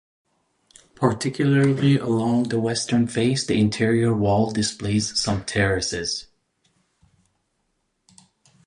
Particularly along the western face, the interior wall displays some terraces.